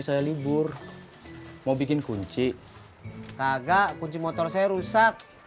saya nerik pegang projekt